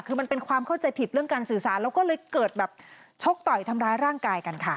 คือมันเป็นความเข้าใจผิดเรื่องการสื่อสารแล้วก็เลยเกิดแบบชกต่อยทำร้ายร่างกายกันค่ะ